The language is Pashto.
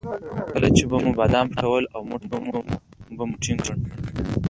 کله چې به مو بادام پټول او موټ به مو ټینګ کړ.